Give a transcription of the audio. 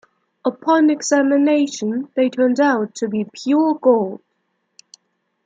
Upon examination, they turned out to be "pure gold".